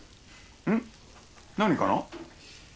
うん？何かな？